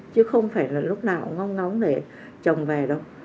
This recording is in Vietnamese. chứ không phải là lúc nào ngóng ngóng để chồng về đâu